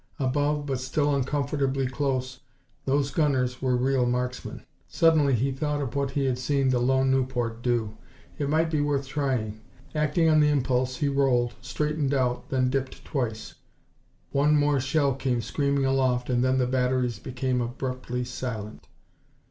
Above, but still uncomfortably close. Those gunners were real marksmen. Suddenly he thought of what he had seen the lone Nieuport do. It might be worth trying. Acting on the impulse he rolled, straightened out, then dipped twice. One more shell came screaming aloft and then the batteries became abruptly silent.